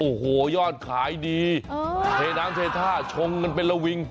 โอ้โหยอดขายดีเทน้ำเทท่าชงกันเป็นระวิง